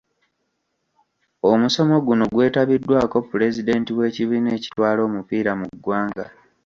Omusomo guno gwetabiddwako pulezidenti w'ekibiina ekitwala omupiira mu ggwanga.